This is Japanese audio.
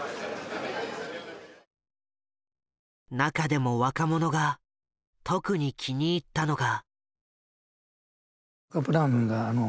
中でも若者が特に気に入ったのが。